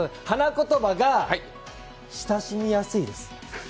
花言葉が親しみやすいです。